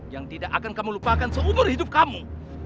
yang tidak akan kamu lupakan seumur hidup kamu